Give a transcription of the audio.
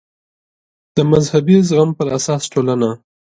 د مذهبي زغم پر اساس ټولنه